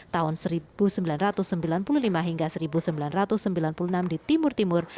tahun seribu sembilan ratus sembilan puluh lima hingga seribu sembilan ratus sembilan puluh enam di timur timur